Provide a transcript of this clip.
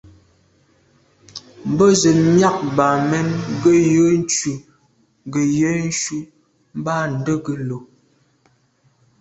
Mbə́zə́ myɑ̂k Bamen gə̀ yə́ ncʉ̂ gə̀ yá cú mbā ndə̂gə́lô.